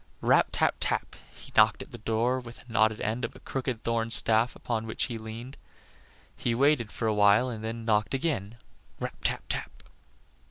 Rap tap tap! He knocked at the door with a knotted end of the crooked thorned staff upon which he leaned. He waited for a while and then knocked again rap tap tap!